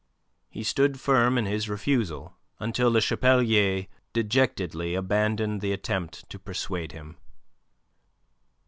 He stood firm in his refusal until Le Chapelier dejectedly abandoned the attempt to persuade him.